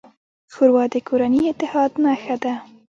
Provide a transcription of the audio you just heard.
ښوروا د کورني اتحاد نښه ده.